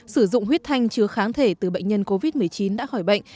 sử dụng huyết thanh chứa kháng thể từ bệnh nhân covid một mươi chín đã khỏi bệnh